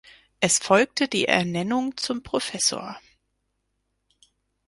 Es folgte die Ernennung zum Professor.